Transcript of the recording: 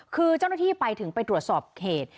คือเจ้าหน้าที่ไปถึงไปตรวจสอบเขต